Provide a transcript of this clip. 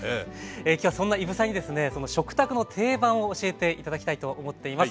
今日はそんな伊武さんにですねその食卓の定番を教えて頂きたいと思っています。